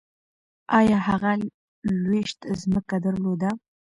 ایا هغه لویشت ځمکه درلوده؟